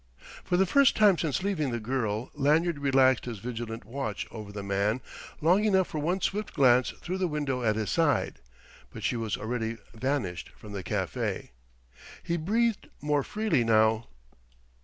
For the first time since leaving the girl Lanyard relaxed his vigilant watch over the man long enough for one swift glance through the window at his side. But she was already vanished from the café. He breathed more freely now.